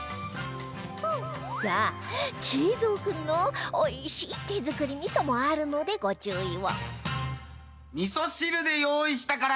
さあ敬蔵君のおいしい手作り味噌もあるのでご注意を